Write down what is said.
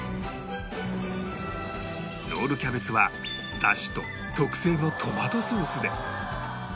ロールキャベツは出汁と特製のトマトソースで